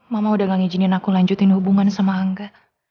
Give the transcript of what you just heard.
mama udah gak ngijinin aku lanjutin hubungan sama angga